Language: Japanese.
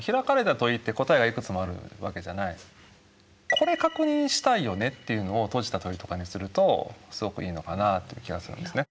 これ確認したいよねっていうのを閉じた問いとかにするとすごくいいのかなという気がするんですね。